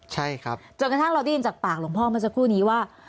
ใช่ครับจนกระทั่งเราได้ยินจากปากหลวงพ่อเมื่อสักครู่นี้ว่า